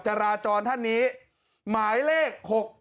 จราจรท่านนี้หมายเลข๖๗